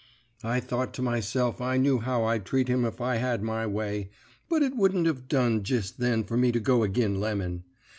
"I thought to myself I knew how I'd treat him if I had my way, but it wouldn't have done jest then for me to go agin Lemon.